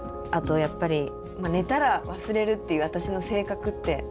あとやっぱり寝たら忘れるっていう私の性格って